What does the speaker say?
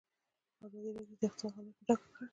ازادي راډیو د اقتصاد حالت په ډاګه کړی.